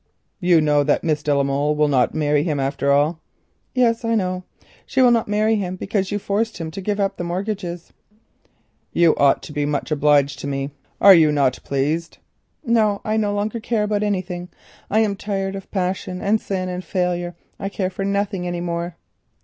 "You know that Miss de la Molle will not marry him after all?" "Yes, I know. She will not marry him because you forced him to give up the mortgages." "You ought to be much obliged to me. Are you not pleased?" "No. I no longer care about anything. I am tired of passion, and sin and failure. I care for nothing any more."